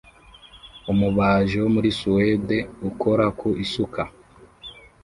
Umubaji wo muri Suwede ukora ku isuka